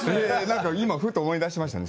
今ふと思い出しましたね。